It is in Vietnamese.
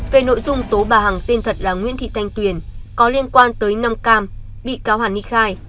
về nội dung tố bà hằng tên thật là nguyễn thị thanh tuyền có liên quan tới năm cam bị cáo hàn ni khai